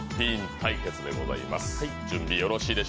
対決でございます。